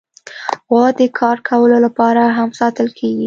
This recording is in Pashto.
غوا د کار کولو لپاره هم ساتل کېږي.